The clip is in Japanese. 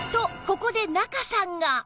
ここで仲さんが